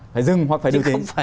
phải dừng hoặc phải điều trị